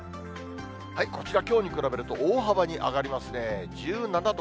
こちらきょうに比べると、大幅に上がりますね。